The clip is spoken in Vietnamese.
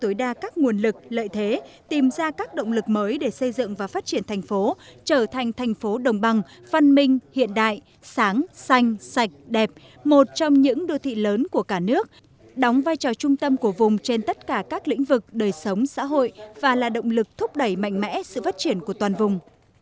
tối đa các nguồn lực lợi thế tìm ra các động lực mới để xây dựng và phát triển thành phố trở thành thành phố đồng bằng văn minh hiện đại sáng xanh sạch đẹp một trong những đô thị lớn của cả nước đóng vai trò trung tâm của vùng trên tất cả các lĩnh vực đời sống xã hội và là động lực thúc đẩy mạnh mẽ sự phát triển của toàn vùng